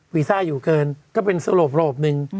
วีซ่าอยู่เกินก็เป็นสโลปหนึ่ง